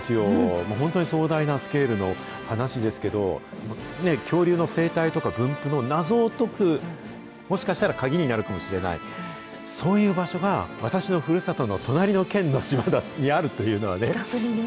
もう本当に壮大なスケールの話ですけど、もうねぇ、恐竜の生態とか、分布の謎を解く、もしかしたら鍵になるかもしれない、そういう場所が、私のふるさとの隣の県近くにね。